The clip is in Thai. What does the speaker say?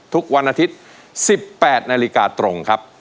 ทุกวันอาทิตย์๑๘นาฬิกาตรงครับ